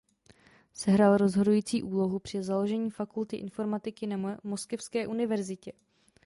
Sehrál rozhodující úlohu při založení fakulty informatiky na Moskevské univerzitě.